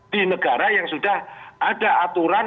di negara yang sudah ada aturan